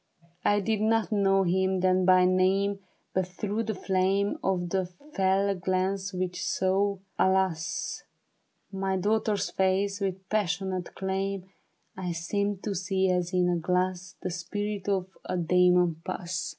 I did not know him then by name, But through the flame Of the fell glance which sought, alas ! My daughter's face with passionate claim, I seemed to see as in a glass The spirit of a demon pass.